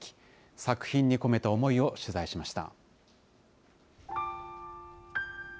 作品に込めた思いを取材しました。